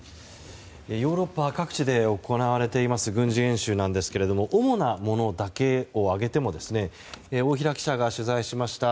ヨーロッパ各地で行われている軍事演習ですが主なものだけを挙げても大平記者が取材しました